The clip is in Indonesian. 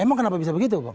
emang kenapa bisa begitu pak